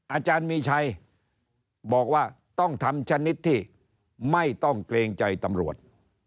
อาจารย์มีชัยบอกว่าต้องทำชนิดที่ไม่ต้องเกรงใจตำรวจ